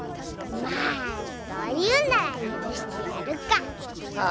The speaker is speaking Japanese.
まあそういうならゆるしてやるか。